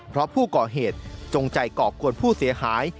เพราะผู้ก่อเหตุจงใจก่อกวนผู้เสียหาย